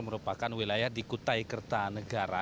merupakan wilayah di kutai kertanegara